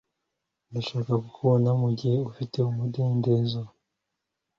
Ndashaka kukubona mugihe ufite umudendezo